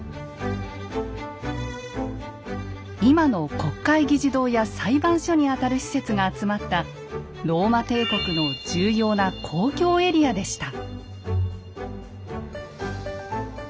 今の国会議事堂や裁判所にあたる施設が集まったローマ帝国の重要な公共エリアでした。